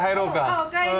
あお帰り。